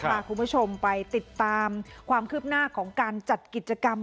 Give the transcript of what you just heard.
พาคุณผู้ชมไปติดตามความคืบหน้าของการจัดกิจกรรม